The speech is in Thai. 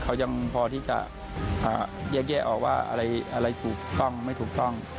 เขายังพอที่จะแยกแยะออกว่าอะไรถูกต้องไม่ถูกต้อง